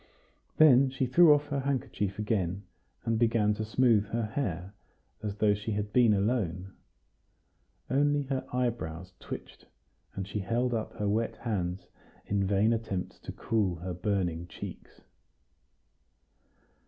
Then she threw off her handkerchief again, and began to smooth her hair, as though she had been alone. Only her eyebrows twitched, and she held up her wet hands in vain attempts to cool her burning cheeks.